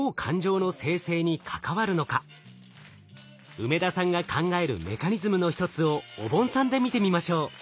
梅田さんが考えるメカニズムの一つをおぼんさんで見てみましょう。